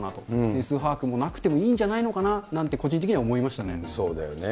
全数把握もなくてもいいんじゃないのかななんて、個人的には思いそうだよね。